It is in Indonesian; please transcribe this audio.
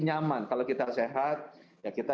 nyaman kalau kita sehat ya kita